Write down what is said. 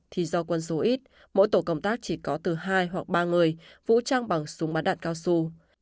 thì do quân số ít mỗi tổ công tác chỉ có từ hai hoặc ba người vũ trang bằng súng bắn đạn cao su